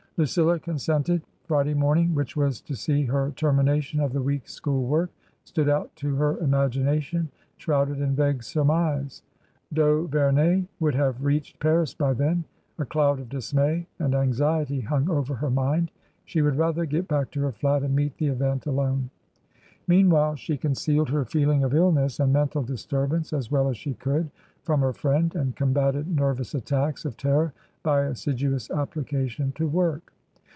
Lucilla consented. Friday morning, which was to see her termination of the week's school work, stood out to her imagination shrouded in vague surmise. D'Auverney would have reached • Paris by then. A cloud of dismay and anxiety hung over her mind ; she would rather get back to her flat and meet the event alone. Meanwhile, she concealed her feeling of illness and mental disturbance as well as she could from her friend, and combated nervous attacks of terror by assid uous application to work.